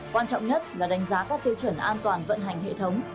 quan trọng nhất là đánh giá các tiêu chuẩn an toàn vận hành hệ thống